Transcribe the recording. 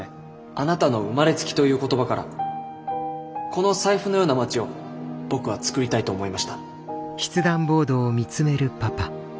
あなたの「生まれつき」という言葉からこの財布のような街を僕は作りたいと思いました。